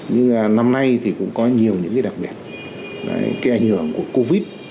nhưng năm nay thì cũng có nhiều những cái đặc biệt cái ảnh hưởng của covid